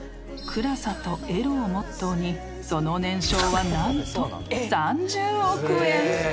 ［暗さとエロをモットーにその年商は何と３０億円］